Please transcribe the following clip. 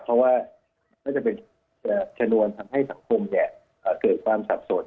เพราะว่าก็จะเป็นชนวนทำให้สังคมเกิดความสับสน